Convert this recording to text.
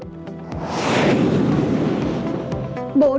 bộ nông nghiệp